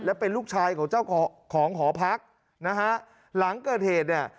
และเป็นลูกชายของเจ้าของของหอพักนะฮะหลังเกิดเหตุเนี่ย